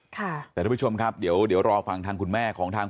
แต่ทุกผู้ชมครับเดี๋ยวรอฟังทางคุณแม่ของทาง